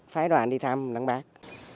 phái đoàn đi thăm lăng bác